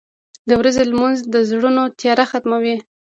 • د ورځې لمونځ د زړونو تیاره ختموي.